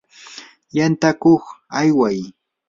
yantakuq ayway.